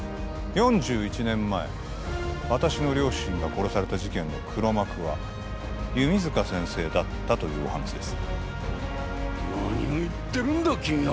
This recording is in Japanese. ４１年前私の両親が殺された事件の黒幕は弓塚先生だったというお話です何を言ってるんだ君は！